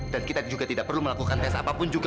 dan kita juga tidak perlu melakukan tes apapun juga